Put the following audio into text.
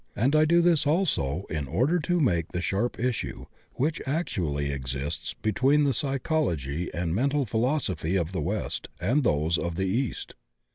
And I do this also in order to make the sharp issue which actually exists between the psychology and men tal philosophy of the west and those of the east.